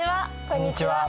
こんにちは。